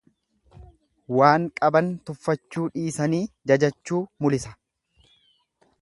Waan qaban tuffachuu dhiisanii jajachuu mulisa.